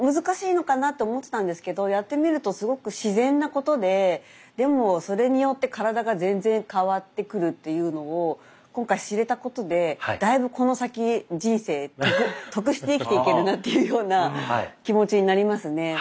難しいのかなと思ってたんですけどやってみるとすごく自然なことででもそれによって体が全然変わってくるというのを今回知れたことでだいぶこの先人生得して生きていけるなというような気持ちになりますね。